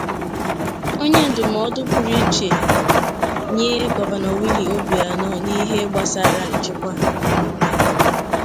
onye ndụmọdụ pụrụ iche nye Gọvanọ Willie Obianọ n'ihe gbasaara nchekwa